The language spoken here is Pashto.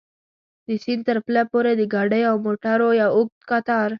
د سیند تر پله پورې د ګاډیو او موټرو یو اوږد کتار.